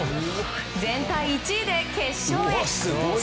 全体１位で決勝へ。